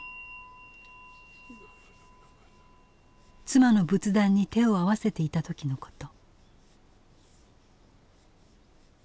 妻の仏壇に手を合わせていた時のこと。